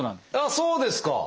そうですか！